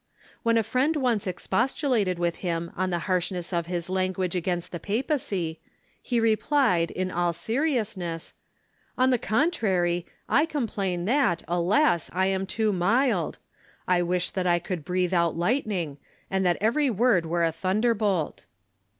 When a friend once expostulated with him on the harshness of his language against the papacy, he replied, in all seriousness, " On the contrary, I complain that, alas ! I am too mild. I wish that I could breathe out lightning, and that every word were a thunder bolt